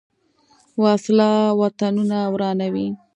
وسله وطنونه ورانوي